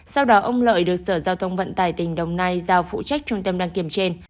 sau đó ông lợi được sở giao thông vận tải tỉnh đồng nai giao phụ trách trung tâm đăng kiểm trên